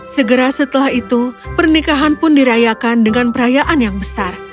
segera setelah itu pernikahan pun dirayakan dengan perayaan yang besar